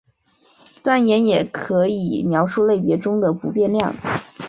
断言也可以描述类别中的不变量。